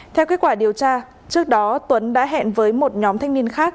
theo kết quả điều tra trước đó tuấn đã hẹn với một nhóm thanh niên khác